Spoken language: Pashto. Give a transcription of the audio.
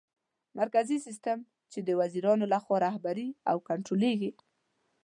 مرکزي سیستم : چي د وزیرانو لخوا رهبري او کنټرولېږي